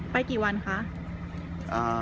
ไปกี่วันคะ